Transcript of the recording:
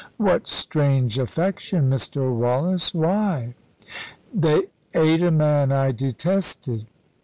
"What strange affection, Mr. Wallace! Why?" "They ate a man I detested.